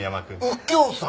右京さん！？